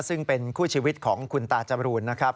ซึ่งเป็นคู่ชีวิตของคุณตาจรูนนะครับ